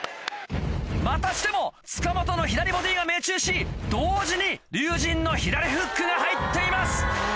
またしても塚本の左ボディーが命中し同時に龍心の左フックが入っています。